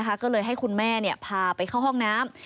ก็เลยให้คุณแม่พาไปเข้าห้องน้ำ